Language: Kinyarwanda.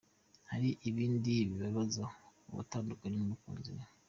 Hari ibindi bibabaza uwatandukanye n’umukunzi we.